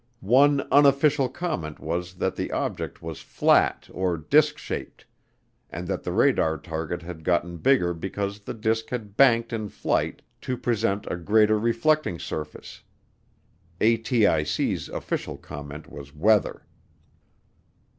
One unofficial comment was that the object was flat or disk shaped, and that the radar target had gotten bigger because the disk had banked in flight to present a greater reflecting surface. ATIC's official comment was weather.